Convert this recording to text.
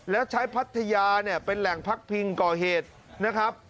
แล้วใช้พัทยาเนี่ยเป็นแหล่งพักพิงก่อเหตุนะครับ